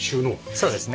そうですね。